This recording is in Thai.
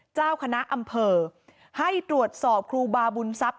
เจ้าคณะอำเภอให้ตรวจสอบครูบาบุญทรัพย